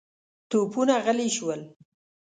توپونه غلي شول.